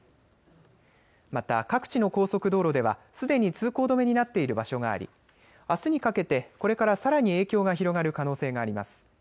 また各地の高速道路ではすでに通行止めになっている場所がありあすにかけて、これからさらに影響が広がる可能性があります。